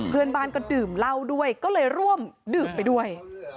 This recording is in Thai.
เพื่อนบ้านก็ดื่มเหล้าด้วยก็เลยร่วมดื่มไปด้วย